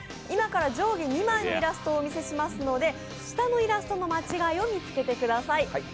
今から上下２枚のイラストをお見せしますので下のイラスタの間違えを見つけてください。